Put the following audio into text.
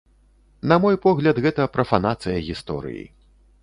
На мой погляд, гэта прафанацыя гісторыі.